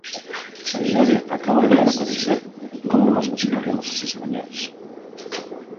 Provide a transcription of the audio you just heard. Sanidade acaba de dar a coñecer como nos vacinaremos os españois.